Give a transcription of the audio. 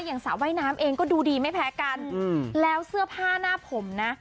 สระว่ายน้ำเองก็ดูดีไม่แพ้กันแล้วเสื้อผ้าหน้าผมนะ